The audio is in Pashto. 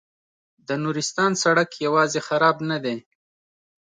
د نورستان سړک یوازې خراب نه دی.